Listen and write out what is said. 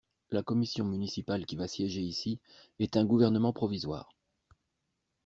La Commission municipale qui va siéger ici est un gouvernement provisoire!